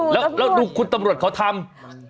แล้วดูคุณตำรวจเขาทำ